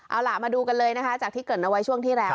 เอาล่ะมาดูกันเลยนะคะจากที่เกิดเอาไว้ช่วงที่แล้ว